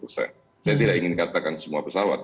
saya tidak ingin katakan semua pesawat